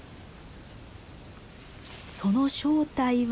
その正体は。